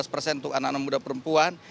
lima belas persen untuk anak anak muda perempuan